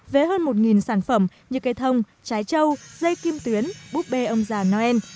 với hơn một sản phẩm như cây thông trái châu dây kim tuyến búp bê ông già noel